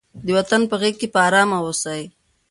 د وطن په غېږ کې په ارامه اوسئ.